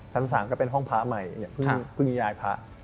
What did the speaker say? ชั้นสามก็เป็นห้องพาใหม่พึ่งยายพา